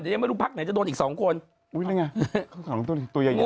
เดี๋ยวไม่รู้ภาคในจะโดนอีก๒คน